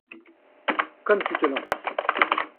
Comme tu te lances !